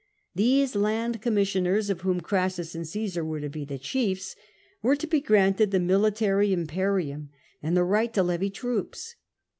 These Land Commis sioners, of whom Crassus and Csesar were to be the chiefs, were to be granted the military inuperium, and the right to levy troops.